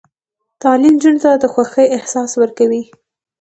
تعلیم نجونو ته د خوښۍ احساس ورکوي.